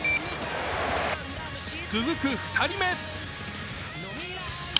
続く２人目。